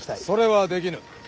それはできぬ。